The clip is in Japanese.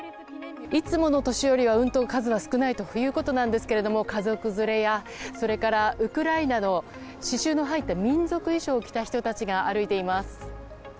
いつもの年よりは、うんと数は少ないということなんですけども家族連れやそれからウクライナの刺しゅうの入った民族衣装を着た人たちが歩いています。